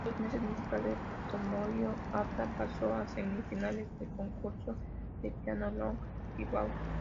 Dos meses más tarde, Tomohiro Hatta pasó a semifinales del Concurso de Piano Long-Thibaud.